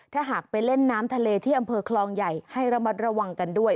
ถ้าหากไปเล่นน้ำทะเลที่อำเภอคลองใหญ่ให้ระมัดระวังกันด้วย